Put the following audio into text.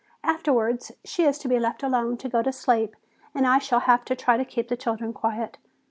Afterwards she is to be left alone to go to sleep and I shall have to try to keep the children quiet.